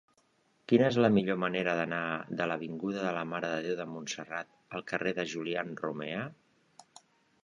Quina és la millor manera d'anar de l'avinguda de la Mare de Déu de Montserrat al carrer de Julián Romea?